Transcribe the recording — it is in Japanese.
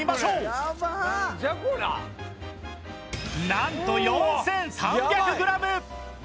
なんと４３００グラム！